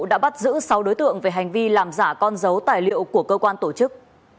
đã bắt giữ sáu đối tượng về hành vi làm giả con dấu tài liệu của cơ quan tổ chức